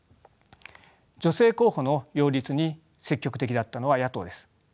女性候補の擁立に積極的だったのは野党です。